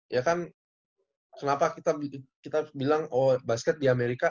ya kan kenapa kita bilang oh basket di amerika